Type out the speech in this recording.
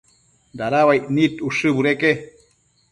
dada uaic nid ushë budeque